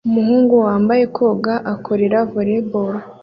Umuhungu wambaye koga akorera volley ball